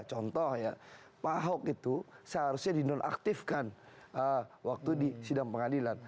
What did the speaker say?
contoh ya pak ahok itu seharusnya dinonaktifkan waktu di sidang pengadilan